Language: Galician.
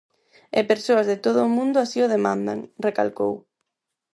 E persoas de todo o mundo así o demandan, recalcou.